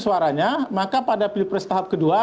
suaranya maka pada pilpres tahap kedua